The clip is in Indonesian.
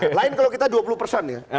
lain kalau kita dua puluh persen ya